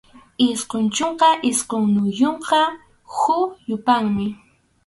Isqun chunka isqunniyuqqa huk yupaymi.